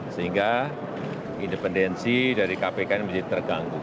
sehingga independensi dari kpk ini menjadi terganggu